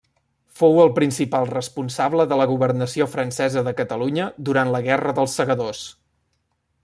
Fou el principal responsable de la governació francesa de Catalunya durant la Guerra dels Segadors.